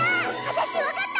私わかった！